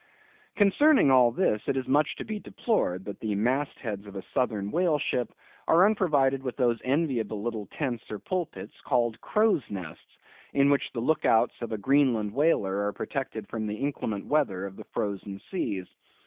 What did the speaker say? Concerning all this, it is much to be deplored that the mast heads of a southern whale ship are unprovided with those enviable little tents or pulpits, called crow's nests, in which the look outs of a Greenland whaler are protected from the inclement weather of the frozen seas.